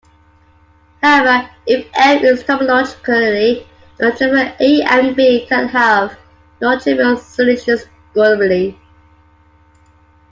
However, if M is topologically nontrivial, A and B can have nontrivial solutions globally.